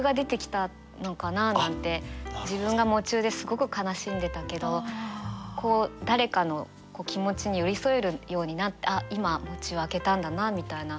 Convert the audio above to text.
自分が喪中ですごく悲しんでたけど誰かの気持ちに寄り添えるようになってあっ今喪中明けたんだなみたいな。